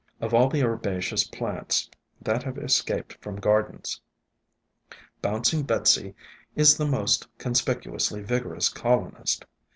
Of all the herbaceous plants that have escaped from gardens, Bouncing Betsy is the most con spicuously vigorous colonist.